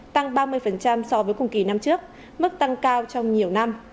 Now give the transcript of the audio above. tăng ba mươi so với cùng kỳ năm trước mức tăng cao trong nhiều năm